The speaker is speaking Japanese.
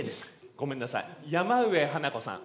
ごめんなさい山上花子さん。